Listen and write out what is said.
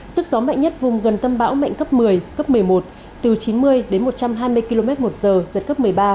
sức gió mạnh nhất vùng gần tâm bão mạnh cấp một mươi cấp một mươi một từ chín mươi đến một trăm hai mươi km một giờ giật cấp một mươi ba